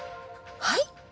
はい？